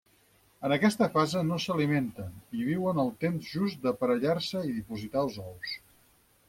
En aquesta fase no s'alimenten, i viuen el temps just d'aparellar-se i dipositar els ous.